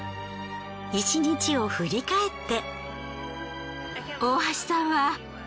１日を振り返って。